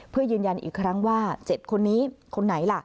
เพื่อยืนยันอีกครั้งว่า๗คนนี้คนไหนล่ะ